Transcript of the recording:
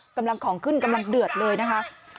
กำลังของขึ้นกำลังเดือดเลยนะคะ